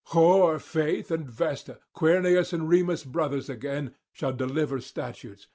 Hoar Faith and Vesta, Quirinus and Remus brothers again, shall deliver statutes.